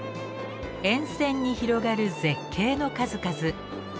沿線に広がる絶景の数々。